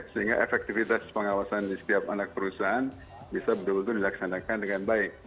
sehingga efektivitas pengawasan di setiap anak perusahaan bisa betul betul dilaksanakan dengan baik